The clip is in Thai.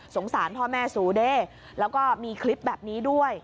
สารพ่อแม่สูเด้แล้วก็มีคลิปแบบนี้ด้วย